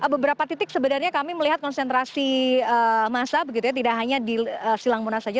beberapa titik sebenarnya kami melihat konsentrasi masa begitu ya tidak hanya di silang monas saja